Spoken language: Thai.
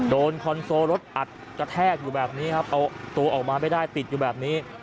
คอนโซลรถอัดกระแทกอยู่แบบนี้ครับเอาตัวออกมาไม่ได้ติดอยู่แบบนี้